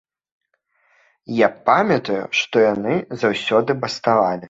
Я памятаю, што яны заўсёды баставалі.